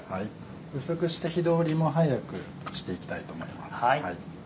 薄くして火通りも早くしていきたいと思います。